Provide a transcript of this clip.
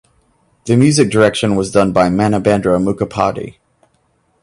The music direction was done by Manabendra Mukhopadhyay.